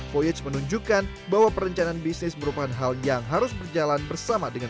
voyage menunjukkan bahwa perencanaan bisnis merupakan hal yang harus berjalan bersama dengan